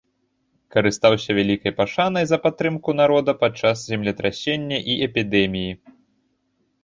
Карыстаўся вялікай пашанай за падтрымку народа падчас землетрасення і эпідэміі.